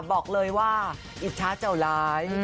บอกเลยว่าอิจฉาเจ้าหลาย